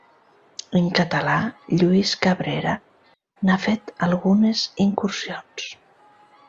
En català, Lluís Cabrera n'ha fet algunes incursions.